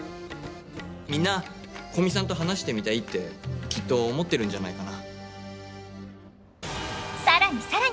みんな古見さんと話してみたいってきっと思ってるんじゃないかな。